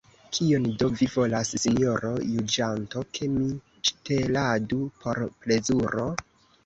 Kion do vi volas, sinjoro juĝanto, ke mi ŝteladu por plezuro?